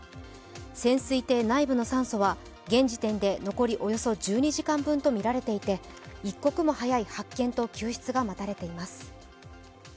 潜水艇内部の酸素は現時点で残りおよそ１２時間分とみられていて一刻も早い発見と救出が待たれています。